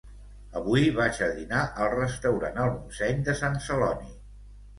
Avui vaig a dinar al restaurant el Montseny de Sant Celoni